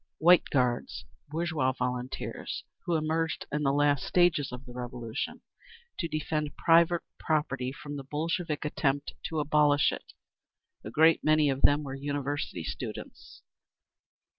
White Guards. Bourgeois volunteers, who emerged in the last stages of the Revolution, to defend private property from the Bolshevik attempt to abolish it. A great many of them were University students.